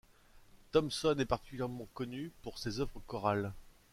Thompson est particulièrement connu pour ses œuvres chorales.